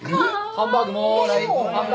ハンバーグもらい。